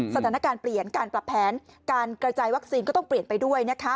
สถานการณ์เปลี่ยนการปรับแผนการกระจายวัคซีนก็ต้องเปลี่ยนไปด้วย